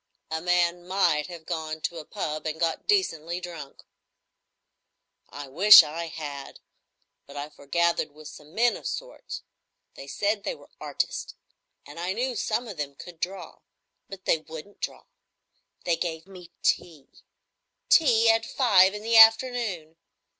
"A man might have gone to a pub, and got decently drunk." "I wish I had; but I forgathered with some men of sorts. They said they were artists, and I knew some of them could draw,—but they wouldn't draw. They gave me tea,—tea at five in the afternoon!